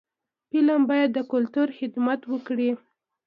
فلم باید د کلتور خدمت وکړي